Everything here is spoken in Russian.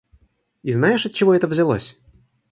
И знаешь, отчего это взялось?